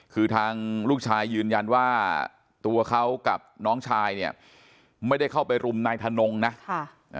คือทางลูกชายยืนยันว่าตัวเขากับน้องชายเนี่ยไม่ได้เข้าไปรุมนายทนงนะค่ะ